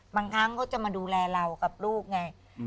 บางครั้งเขาจะมาดูแลเรากับลูกไง